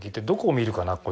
どこを見るかな